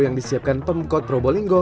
yang disiapkan pemkot probolinggo